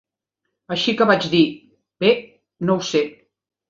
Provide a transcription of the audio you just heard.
Així que vaig dir: "Bé, no ho sé".